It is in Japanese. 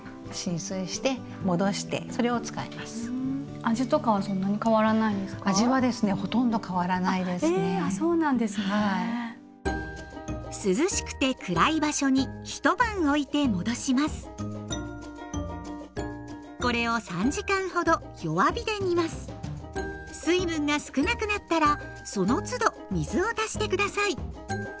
水分が少なくなったらそのつど水を足して下さい。